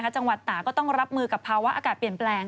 จังหวัดตาก็ต้องรับมือกับภาวะอากาศเปลี่ยนแปลง